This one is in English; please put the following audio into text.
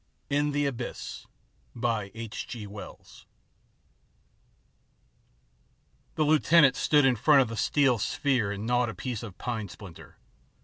IN THE ABYSS THE lieutenant stood in front of the steel sphere and gnawed a piece of pine splinter.